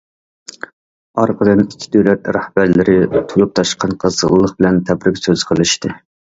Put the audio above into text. ئارقىدىن، ئىككى دۆلەت رەھبەرلىرى تولۇپ تاشقان قىزغىنلىق بىلەن تەبرىك سۆزى قىلىشتى.